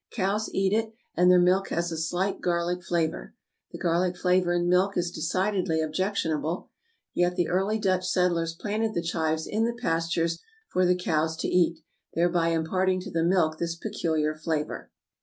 Cows eat it, and their milk has a slight garlic flavor. The garlic flavor in milk is decidedly objectionable; yet the early Dutch settlers planted the chives in the pastures for the cows to eat, thereby imparting to the milk this peculiar flavor.